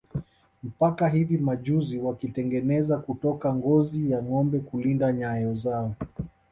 Mpaka hivi majuzi wakizitengeneza kutoka ngozi ya ngombe kulinda nyayo zao